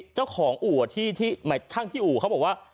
เจ้าของอู่ที่ช่างที่อู่เขาบอกว่า